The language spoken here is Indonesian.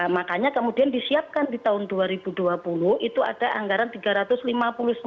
makanya kemudian disiapkan di tahun dua ribu dua puluh itu ada anggaran rp tiga ratus lima puluh sembilan triliun